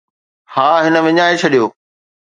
ها، هن وڃائي ڇڏيو